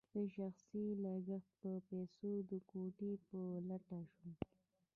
د شخصي لګښت په پیسو د کوټې په لټه شوم.